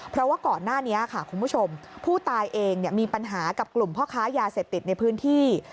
เพราะว่าก่อนหน้านี้ค่ะคุณผู้ชมผู้ตายเองมีปัญหากับกลุ่มพ่อค้ายาเสพติดในพื้นที่